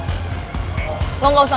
lo gak usah ngelak deh